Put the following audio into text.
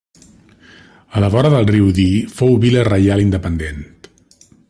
A la vora del Riu Dee, fou Vila Reial independent.